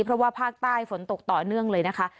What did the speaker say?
เพราะว่าภาคใต้ฝนตกต่อเนื่องเลยนะคะ